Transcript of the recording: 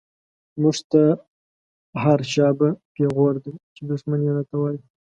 موږ ته هر” شا به” پيغور دی، چی دښمن يې را ته وايې